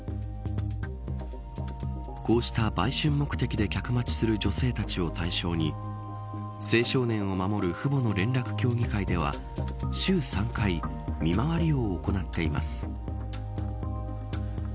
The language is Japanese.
こうした売春目的で客待ちする女性たちを対象に青少年を守る父母の連絡協議会では週３回、見回りを行っています。